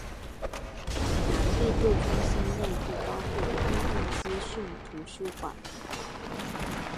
庞毕度中心内部包括公共资讯图书馆。